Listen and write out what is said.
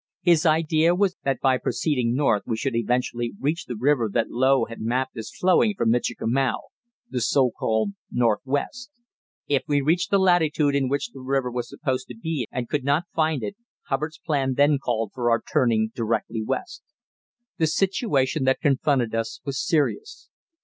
His idea was that by proceeding north we should eventually reach the river that Low had mapped as flowing from Michikamau, the so called Northwest. If we reached the latitude in which the river was supposed to be and could not find it, Hubbard's plan then called for our turning directly west. The situation that confronted us was serious.